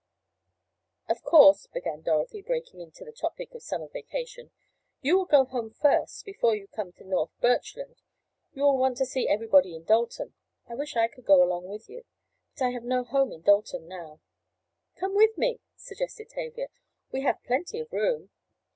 "Of course," began Dorothy, breaking into the topic of summer vacation, "you will go home first, before you come to North Birchland. You will want to see everybody in Dalton—I wish I could go along with you. But I have no home in Dalton now." "Come with me," suggested Tavia. "We have plenty of room."